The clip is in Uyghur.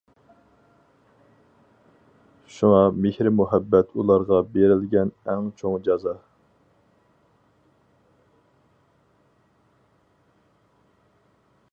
شۇڭا مېھرى مۇھەببەت ئۇلارغا بېرىلگەن ئەڭ چوڭ جازا.